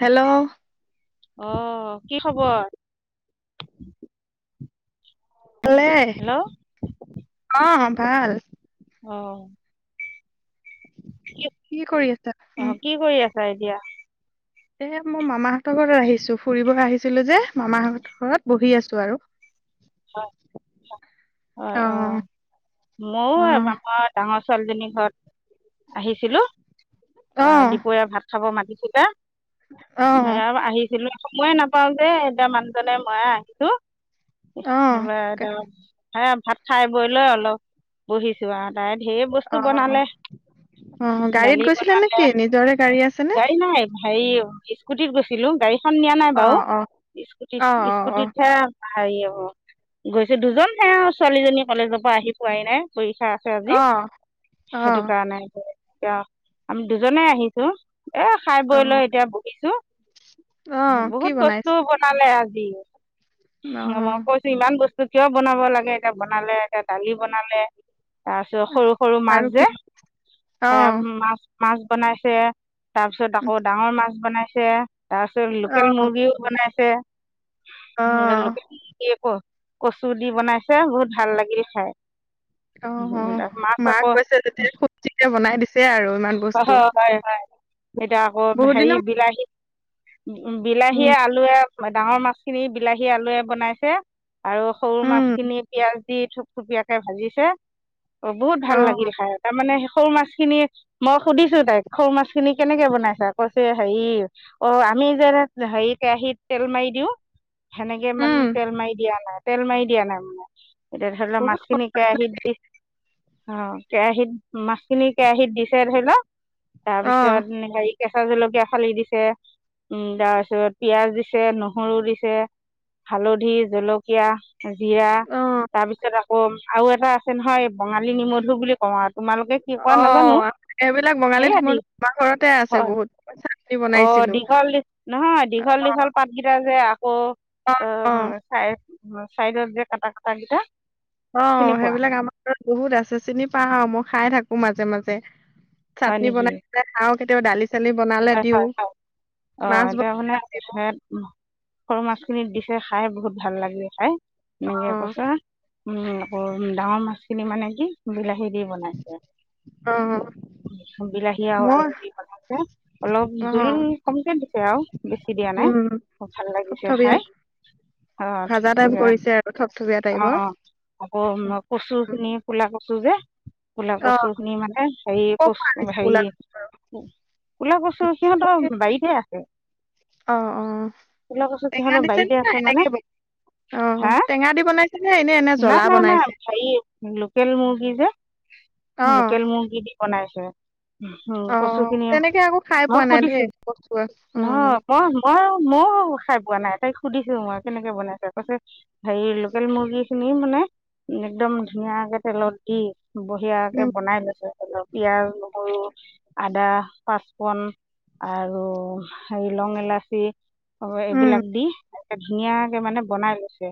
Hello অ' কি খবৰ? ভলে হেল্ল' অ' ভাল। অ'। কি কৰি আছা? উম। াইলিয়া। এ মই মামাহঁতৰ ঘৰত আহিছো ফুৰিব আহিছিলো যে মামাহতৰ ঘৰত বহি আছো আৰু। হয় অ আ অ মইাৰ ডাঙৰ [inaudible] ছোৱালীজনীৰ ঘৰত আহিছিলো অ দপৰীয়া ভাত খাব মাতিছিলে। অ সেয়া আৰু আহিছিলো সময়ে নাপাও যে এতিয়া মানুহজনে মই আহিছো। অ হে ভাত খাই বৈ লৈ অলপ বহিছো আৰু। তাই ঢেৰ বস্তু অ বনালে। অ গাড়ীত দালি গৈছিলা বনালে নেকি নিজৰে গাড়ী আছেনে যাই নাই ভাই [inaudible] স্কুটিত গৈছিলো গাড়ীখন নিয়া নাই অ বাৰু, অ অ অ স্কুটিত অ স্কুটিতহে হেৰি গৈছো দুজন সেয়া আৰু ছোৱালীজনী কলেজৰ পৰা আহি পোৱাই নাই পক্ষ খাই আছে আজি অ অ সেইটো কাৰণে আমি দুজনে আহিছো। এ খাই অ বৈ লৈ এতিয়া বহিছো অ কি বহুত বনাইছে বস্তু বনালে আজি। [inaudible] মই অ'। কৈছো ইমান বস্তু কিয় বনাব লাগে এতিয়া বনালে এতিয়া দালি বনালে তাৰপিছত সৰু সৰু মাছ আৰু কি যে অ সেয়া মাছ, মাছ বনাইছে। তাৰপিছত আকৌ ডাঙৰ মাছ বনাইছে তাৰপিছত অ লোকেল মুৰ্গীও বনাইছে। অ লোকেল মূৰ্গী আক' কচু দি বনাইছে বহুত ভাল লাগিলি খাই। অ' অ' মাছ মাক আকৌ কৈছে যেতিয়া ফূৰ্তিতে বনাই দিছো। অ' হ' হয় হয় এতিয়া আকৌ বহুত হেৰি দিনৰ বিলাহী উ বিলাহী উম আলুৱে ডাঙৰ মাছখিনি বিলাহী আলুৱে বনাইছে আৰু সৰু মাছ উম খিনি পিয়াজ দি থুপথুপিয়াকে ভাজিছে বহুত ভাল অ লাগিল খাই তাৰমানে সে সৰু মাছ খিনি মই সুধিছো তাইক সৰু মাছখিনি কেনেকে বনাইছা কৈছে হেৰি, আমি যে হেৰি কেৰাহিত তেল মাৰি দিও সেনেকে উম মানে তেল মাৰি দিয়া নাই তেল মাৰি দিয়া নাই মানে। এতিয়া ধৰি লোৱা বহুত স- মাছখিনি কেৰাহিত দি, অ' কেৰাহিত মাছখিনি কেৰাহিত দি [unintelligible] অ কেঁচা জলকীয়া ফালি দিছে, উম তাৰ পিছত পিয়াজ দিছে নহৰু দিছে। হালধি জলকীয়া জিৰা অ তাৰ পিছত আকৌ আৰু এটা আছে নহয় বঙালী নিমধু বুলি কওঁ আও। তোমালোকে কি কোৱা অ নাজানো। এইবিলাক বঙালী সেইয়াদি। থুমত আমাৰ ঘৰতে আছে হয়। বহুত মই চাটনি অ' বনাইছিলো দীঘল নহয় দী অ দীঘল দীঘল পাত কেইটা অ' অ'। উ। চাইদত যে কাটা কটা কিতা অ' সেইবিলাক আমাৰ ঘৰত বহুত আছে চিনি পাও, মই খাই থাকো মাজে মাজে। হয় চাটনি নেকি বনাই পেলাই খাওঁ কেতিয়াবা দালি চালি বনালে হয় দিওঁ হয় হয় অ' মাছ এতিয়া মানে বনালে দিওঁ সে সৰু মাছ খিনিত দিছে খাই বহুত ভাল লাগিল খাই, অ এনেকে কৈছো। উম আকৌ ডাঙৰ মাছখিনি মানে কি? বিলাহীত দি বনাইছে। অ বিলাহী আৰু মই আলু দি বনাইছে। অলপ অ জোল কমকে দিছে আৰু, বেছি দিয়া নাই। উম খুব ভাল লাগিছে থপথপীয়া খাই। ভাজা টাইপ কৰিছে আৰু থপথপীয়া টাইপৰ [unintelligible] আকৌ কচু খিনি ক'লা ক কচু যে, ক'লা অ কচু খিনি মানে, হেৰি ক পৰা কচু আনিছে হেৰি গোলাঘাটৰ ক'লা কচু সিহঁতৰ বাৰীতে আছে। অ অ ক'লা কচু টেঙা সিহঁতৰ দিছে নে বাৰীতে নাই আছে মানে। এনেকে বন অ হা? টেঙা দি বনাইছে নে এনে এনে জ্বলা নাই-নাই-নাই বনাইছে হেৰি লোকেল মূৰ্গী যে অ লোকেল মূৰ্গী দি বনাইছে। হুম অ কচু খিনি তেনেকে আকৌ খাই মই পোৱা নাই দেই সুধিছো। কচু অ নহয় মই-মই-মইও খাই পোৱা নাই। তাইক সুধিছো মই কেনেকে বনাইছে। কৈছে হেৰি লোকেল মুৰ্গী খিনি মানে একদম ধুনীয়াকে তেলত দি বঢ়িয়াকে উম বনাই লৈছে, তাপাছত পিয়াজ নহৰু আদা পাঁচফোৰণ আৰু হাই লং-ইলাচী আৰু উম এইবিলাক দি, এনকে ধুনীয়াকে মানে বনাই লৈছে।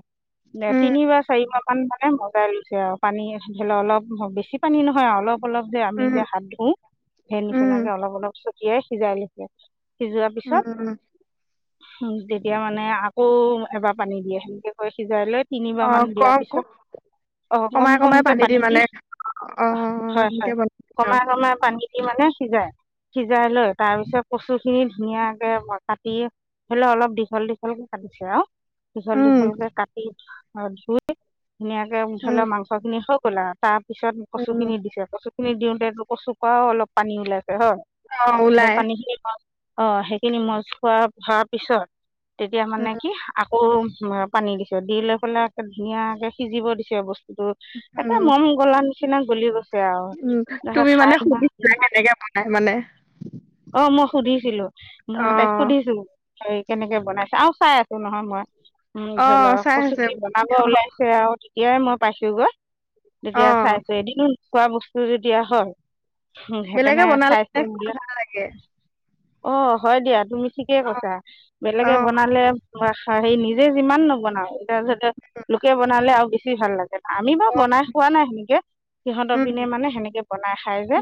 উম তিনিবাৰ-চাৰিবাৰ মান মানে ভজাই লৈছে আৰু পানী ধৰি ল' অলপ বেছি পানী নহয় অলপ অলপ যে আমি উম যে হাত ধুও, সেই নিচিনাকে উম অলপ অলপ ছটিয়াই সিজাই লৈছে। সিজোৱাৰ পিছত উম তেতিয়া মানে আকৌ এবাৰ পানী দিয়ে। সেনেকৈ সিজাই লৈ তিনিবাৰ অ মান দিয়াৰ কম ক- পিছত অ' কমাই কমাই কম-কমকে পানী দি মানে অ সেনেকে হয়-হয় বনাইছে আৰু কমাই-কমাই পানীখিনি মানে সিজাই সিজাই লৈ, তাৰপিছত কচু খিনি ধুনীয়াকে কাটি হ'লে অলপ দীঘল দীঘলকে কাটি [unintelligible] দীঘল উম দীঘলকে কাটি ধুই ধুনীয়াকে ধৰি উম লোৱা মাংসখিনি হৈ গল আৰু। তাৰ পিছত উম কচুখিনি দিছে, কচুখিনি দিওঁতে কচুৰ পৰা অলপ পানী ওলাইছে। হয় অ সেই ওলাই পানী খিনি অ সেইখিনি মজ খোৱাৰ- খোৱাৰ পিছত এতিয়া মানে উম কি আকৌ পানী দিছে। দি লৈ পেলেই ধুনীয়াকে সিজিব দিছে বস্তু [unintelligible] একে উম মম গলাৰ নিচিনা গলি গৈ উম তুমি মানে সুধিছা, কেনেকে বনাই মানে। অ মই সুধিছিলো। অ মই তাইক সুধিছো, তাই কেনেকে বনাই‌ চাওঁ চাই আছো নহয় মই। উম অ ধৰি লক চাই আছে কচুখিনি বনাব অ ওলাইছে আৰু যেতিয়াই মই পাইছো গৈ, অ তেতিয়া চাইছো এদিনো নোখোৱা বস্তু যেতিয়া হয়, উ বেলেগে সেইকাৰণে চাই বনালে আছো খাই বিলাক। ভাল লাগে অ হয় দিয়া তুমি ঠিকে কৈছা। অ বেলেগে বনালে বা খা হি নিজে যিমান নবনাওক, তাৰ পিছত যে লোকে বনালে আও বেছি ভাল লাগে। আমি বাৰু অ বনাই খোৱা নাই সেনেকে। সিহঁতৰ উম, পিনে মানে সেনেকে বনাই খাই যে,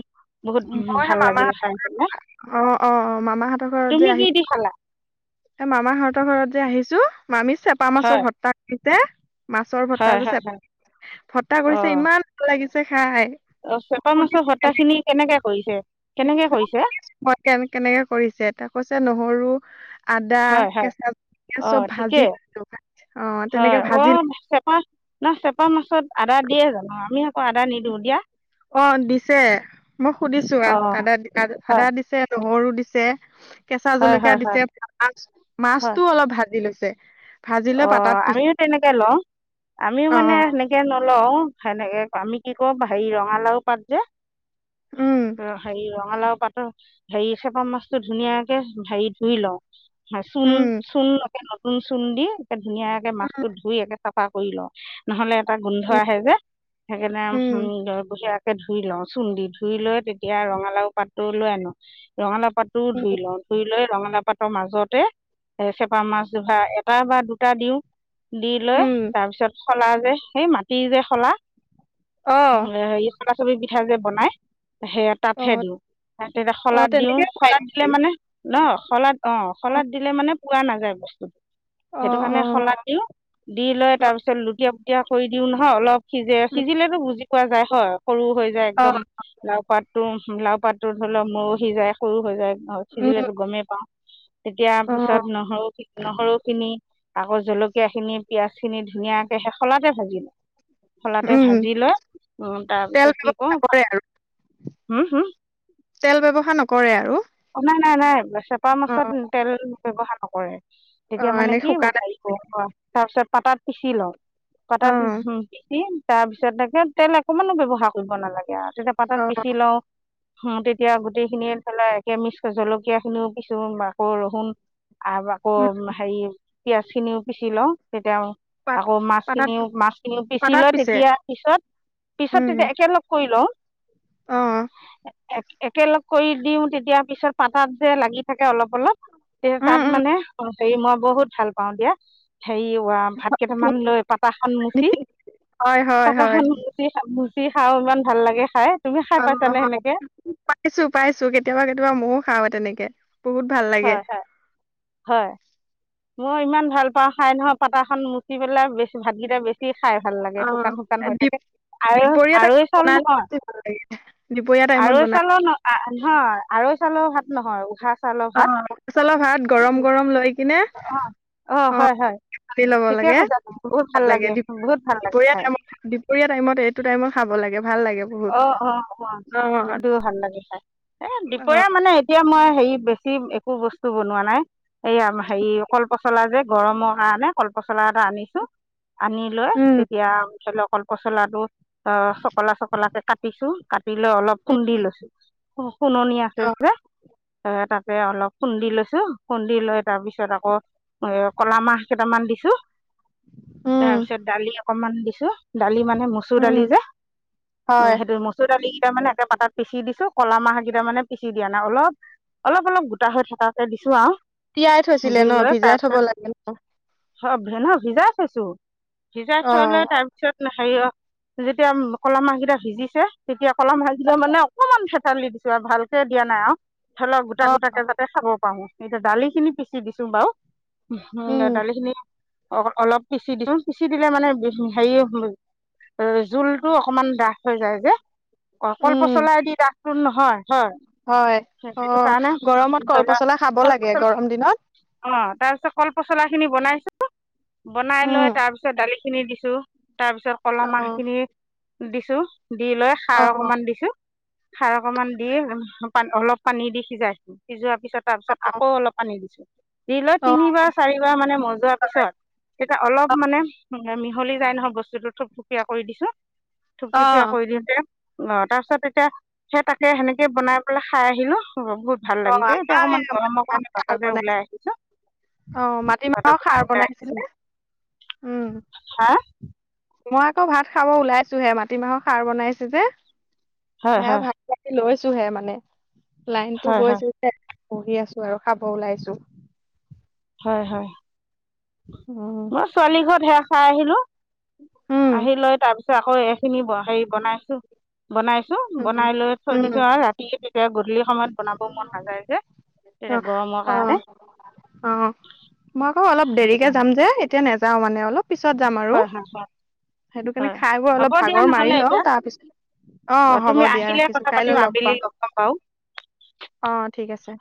বহুত উম ভাল লাগিল মামাহাতৰ খাই পেলাই পৰা, অ-অ-অ মামাহাতৰ পৰা তুমি যে কি আহি দি খালা এ মামাৰ হঁতৰ ঘৰত যে আহিছো, মামী চেপা মাছৰ হয় ভত্তা দিছে মাছৰ ভত্তা, হয় হয় হয় চেপ ভত্তা অ কৰিছে ইমান ভাল লাগিছে খাই। অ', চেপা মাছৰ সুধিছো কেনে ভত্তাখিনি কেনেকে কৰিছে কেনেকে কৰিছে? একৈছে নহৰু আদা হয় হয় কেঁচা পিয়াজ চব অ', ভাজি ঠিকেই লো অ', তেনেকে হয়, ভাজি অলপ চেপা না চেপা মাছত আদা দিয়ে জানো? আমি আকৌ আদা নিদিওঁ দিয়া। অ দিছে। মই সুধিছো আ- অ' আদা-আদা হয় দিছে, নহৰু দি, কেঁচা হয় জলকীয়া হয় দিছে, হয় হয় মাছটো অলপ ভাজি লৈছে। ভাজি লৈ অ পাতাত পিচি আমিও তেনেকে লওঁ, আমিও মানে সেনেকে নলও সেনেকে, আমি কি কম হেৰি ৰঙালাও পাত যে, হেৰি অ ৰঙালাও পাতৰ হেৰি চেপা মাছটো ধুনীয়াকে হেৰি ধুই লওঁ। হা চুন চুণ অকন নতন চুণ দি এ ধুনীয়াকে মাছটো ধুই একে চাফা কৰি লওঁ নহ'লে এটা গোন্ধ আহে যে সেইকাৰণে উম, [unintelligible] ধুই লওঁ চুনদি ধুই লৈ তেতিয়া ৰঙালাও পাতটো লৈ আনো ৰঙালাও পাতটো উম, ধুই লওঁ, ধুই লৈ ৰঙালা পাটৰ মাজতে চেপা মাছ জোহা এটা বা দু দুটা দিওঁ, দি লৈ উম, তাৰপিছত সলা যে সেই মাটিৰ যে সলা অ, হেৰি চলা চলি পিঠা যে বনাই। সেয়া অ, তাতহে দিওঁ, তেয়া অ, শলাদ দিওঁ তেনেকে পাই শলাদ দিলে নেকি? মানে ন শলাদ অ', শলাত দিলে মানে পোৱা নাযায় বস্তুটো। অ, সেইটো কাৰণে শলাত দিওঁ দি লৈ অ, তাৰপিছত লুটীয়া পুটীয়া কৰি দিওঁ নহয় অলপ সিজে সিজিলেটো বুজি পোৱা যায় হয় সৰু হৈ যায় অ, একদম লাও পাতটো লাও পাতটো ধৰি লও মৌ সিজাই সৰু হৈ যায় অ', উম, সিজিলেটো গমেই পাওঁ, তেতিয়া অ, পিছত নহৰু ক নহৰু খিনি আকৌ জলকীয়া খিনি পিয়াজ খিনি ধুনীয়াকে শেষ লকে ভাজি লওঁ। শলাতে উম, ভাজি লয় উম, তেল তাৰপিছত কি ব্যৱহাৰ কৰোঁ নকৰে আৰু তেল ব্যৱহাৰ নকৰে আৰু। অ', নাই- নাই -নাই চেপা অ, মাছত তেল ব্যৱহাৰ নকৰে। অ, তেতিয়া মানে এনেকে কি শুকান [unintelligible] হেৰি গৰম কৰা, তাৰ পিছত পাটাত পিচি লওঁ। অ, পাটাত হুম, পিচি তাৰ পিছত তেখেত তেল একমানো ব্যৱহাৰ কৰিব নালাগে আৰ। যেতিয়া পাতত অ, পিচি লওঁ হুম, তেতিয়া গোটেই খিনি ফেলাই কেমিচক জলকীয়াখিনিও পিছু মাকৰ ৰহুন আবাক উম, হেৰি পিয়াজ খিনিও পিচি লওঁ তেতিয়াও পাত আকৌ পাতাত মাছখিনিও মাছখিনিও পিচি পাতাত লয় পিছে? তেতিয়া পিছত পিছত উম, তেতিয়া একেলগ কৰি লওঁ, অ, একেলগ কৰি দিওঁ তেতিয়া দিয়াৰ পিছত পাতাত যে লাগি থাকে অলপ, অলপ উম, তাত উম, মানে হেৰি মই বহুত ভাল পাওঁ দিয়া। হেৰি ৱা ভাত কেইটামান লৈ পাতা খন মুচি নিখি- হয়, হয়, পাতা হয়, খন মুচি কি খাও ইমান ভাল লাগে খাই। তুমি খাই পাইছানে সেনেকে অ', পাইছো পাইছো কেতিয়াবা কেতিয়াবা ময়ো খাওঁ তেনেকে। বহুত ভাল লাগে। হয় হয় হয়, মই ইমান ভাল পাওঁ খাই নহয় পাতাখন মুচি পেলাই বেছি ভাতকেইটা বেছি খাই ভাল লাগে অ, শুকান শুকান হৈ দ্বীপ থাকে আৰু দ্বীপৰীয়া - আৰু টাইপত চাউল বনালে নহয় বেছি ভাল লাগে। দুপৰীয়া টাইমত আৰৈ বনাও চাউলৰ ন নহয় আৰৈ চাউলৰ ভাত নহয় উহা চাউলৰ ভাত। অচলা ভাত গৰম গৰম লৈ কিনে অ অ', হয় হয় পানী লব ঠিকে লাগে, কৈছা তুমি বহুত ভাল লাগে, বহুত ভাল লাগে দুপৰীয়া খাই টাইমত - দুপৰীয়া টাইমত, এইটো টাইমত খাব লাগে। ভাল লাগে বহুত অ অ অ অ', সেইটোও ভাল লাগে খাই এ অ দুপৰীয়া মানে এতিয়া মই হেৰি বেছি একো বস্তু বনোৱা নাই। এইয়া হেৰি কল পচলা যে গৰমৰ কাৰণে কলপচলা পচলা এটা আনিছো আনি লৈ উম তেতিয়া ধৰি ল' অকল পচলাটো অ' চকলা চকলা কাটি লৈ অলপ উম খুন্দি লৈছো, শুননি আছে অ যে। এ তাতে অলপ খুন্দি লৈছো খুন্দি লৈ তাৰ পিছত আকৌ এ ক'লা মাহ কেইটামান দিছো উম তাৰপিছত দালি অকমান দিছো দালি মানে মচুৰ উম দালি যে। উম, হয় সেইটো মচুৰ দালি কেইটা মানে একটা পাত পিচি দিছো কলা মাহ কেইটা মানে পিচি দিয়া নাই অলপ অলপ অলপ গোটা হৈ থাকাকে দিছো আৰু। তিয়াই থৈছিলে ন' ভিজাই থব লাগে ন' অ', ভেন হিজাই থৈছো, হিজাই অ থৈ লৈ তাৰপিছত ন হেৰি অ যেতিয়া কলা মাছ সিজিছে তেতিয়া কলম সাজিল মানে অকমান ফেতাল দিছো আৰু ভালকে দিয়া নাই আৰু। ধলক গোটা অ গোটাকে যাতে খাব পাৰো এতিয়া দালি খিনি পিচি দিছো বাৰু। উম দালিখিনি অলপ পিচি দিছোঁ। পিচি দিলে মানে হেৰি জোলটো অকমান ডাঠ হৈ যায় যে। অ' কল উম পচলাদি দাথটো নহয়, হয়। হয় অ হে-হেটোকৰণে গৰমত ধৰি কল লোৱা পচলা খাব কল লাগে পচলা গৰম দিনত অ' তাৰ পিছত কল পচলা খিনি বনাইছো বনাই উম লৈ তাৰপিছত দালি খিনি দিছো তাৰ পিছত কল অ মাহ খিনি দিছো দি লৈ অ অ খাৰ অকমান দিছো। খাৰ অকমান দি অলপ পানী দি সিজাইছো সিজোৱা পিছত তা পিছত আকৌ অলপ পানী দিছো। দি লৈ অ তিনিবাৰ চাৰিবাৰ মানে মজোৱাৰ পিছত তেতিয়া অলপ মানে মিহলি যাই নহয় বস্তুতো থুপথুপিয় কৰি দিছো থপ অ অ থুপিয়ীয়া কৰি দিওঁতে অ' তাৰ পিছত এতিয়া সেই তাকে সেনেকে বনাই পেলাই খাই আহিলো। বহুত ভাল অ লাগিছে এতিয়া অকমান গৰমৰ আমাৰ কাৰণে সাৰ বাততে বনাই ওলাই আহিছো। অ মাটিমাহৰ বাটত এনে খাৰ উলাই আহিছোঁ। বনাইছিলে উম হা? মই আকৌ ভাত খাব ওলাইছো হে মাটিমাহৰ খাৰ বনাইছো যে, হয় হে হয় ভাত পি লৈছ ছোহে মানে, লাইনতো হয় হয় গৈছে বহি আছো আৰু খাব ওলাইছো। হয় হয়, উম মই ছোৱালী ঘৰত সেয়া খাই আহিলো। উম আহি লৈ তাৰপিছত আকৌ এইখিনি হেৰি বনাইছো বনাইছো উম বনাই লৈ থৈ দিছো উম আৰু ৰাতি তেতিয়া গধূলি সময়ত বনাব মন নাযায় যে অ তেয়া গৰমৰ অ কাৰণে। অ মই আকৌ অলপ সেইটো দেৰিকে কাৰণে যাম যে এতিয়া নাযাওঁ মানে অলপ পিছত যাম আৰু। হয় হয় হয় সেইটো কাৰণে হয় খাই বোৰ হ'ব অলপ দিয়া ভাগৰ মাৰি নহ'লে লওঁ এতিয়া তাৰ পিছত অ' হ'ব তুমি দিয়া আহিলে ৰাখিছোঁ কথা পাতিম কাইলৈ লগ আবেলি পাম। বাৰু অ' ঠিক আছে।